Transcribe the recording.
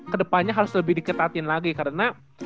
kedepannya harus lebih diketatin lagi karena